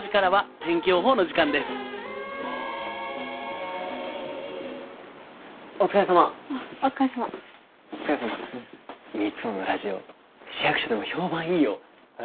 三生のラジオ市役所でも評判いいよ。え？